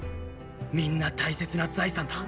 みんな大切な財産だ。